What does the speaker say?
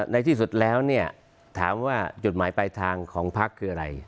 ในที่สุดแล้วเนี่ยถามว่าจุดหมายปลายทางของพักคืออะไร